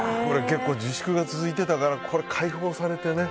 結構、自粛が続いていたから解放されてね。